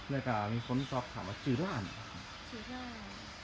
และแซ่อ่อนแซ่หวานต่อ